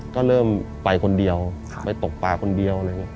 ก็เริ่มไปคนเดียวไปตกปลาคนเดียว